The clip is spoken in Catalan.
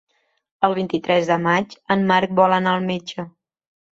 El vint-i-tres de maig en Marc vol anar al metge.